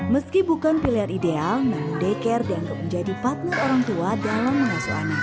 meski bukan pilihan ideal namun deker dianggap menjadi partner orang tua dalam mengasuh anak